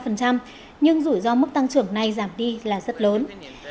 nhưng rủi ro mức tăng trưởng này giảm đi là rất lớn